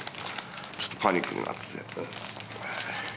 ちょっとパニックになってて。